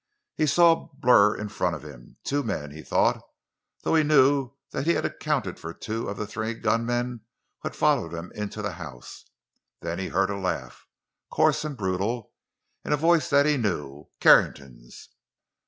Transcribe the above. He saw a blur in front of him—two men, he thought, though he knew he had accounted for two of the three gunmen who had followed him to the house. Then he heard a laugh—coarse and brutal—in a voice that he knew—Carrington's.